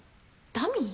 ダミー？